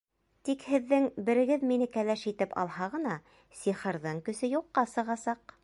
Тик һеҙҙең берегеҙ мине кәләш итеп алһа ғына, сихырҙың көсө юҡҡа сығасаҡ.